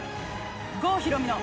郷ひろみの。